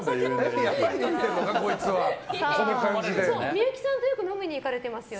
幸さんとよく飲みに行かれてますよね？